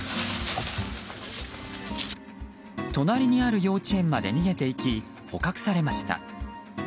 隣にある幼稚園まで逃げていき捕獲されました。